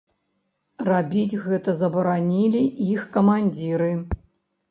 Рабіць гэта забаранілі іх камандзіры.